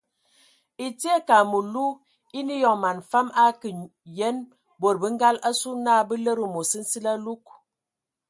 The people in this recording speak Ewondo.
Ɛtie ekag məlu eine eyɔŋ man fam akə yen bod bə ngal asu na bə lede amos nsili alug.